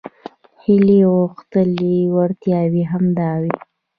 هیلې غوښتنې وړتیاوې همدا وو.